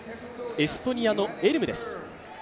エストニアにのエルムです。